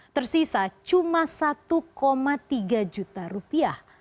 tersisa cuma satu tiga juta rupiah